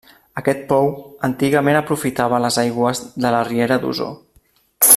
Aquest pou antigament aprofitava les aigües de la riera d'Osor.